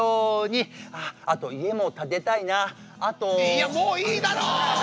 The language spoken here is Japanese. いやもういいだろ！